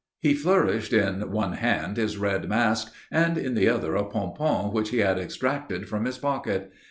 He flourished in one hand his red mask and in the other a pompon which he had extracted from his pocket.